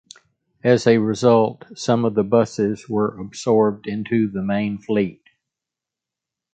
As a result, some of the buses were absorbed into the main fleet.